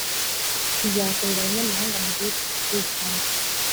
muzakorera abanyamahanga mu gihugu kitari icyabo